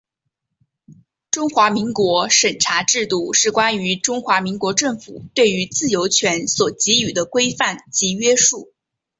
中华民国审查制度是关于中华民国政府对于自由权所给予的规范及约束。